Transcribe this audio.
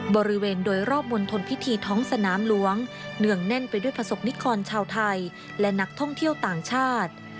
บริเวณโดยรอบมณฑลพิธีท้องสนามหลวงเนื่องแน่นไปด้วยประสบนิกรชาวไทยและนักท่องเที่ยวต่างชาติ